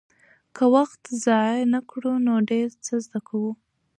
که وخت ضایع نه کړو نو ډېر څه زده کوو.